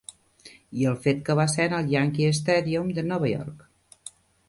I el fet que va ser en el Yankee Stadium de Nova York.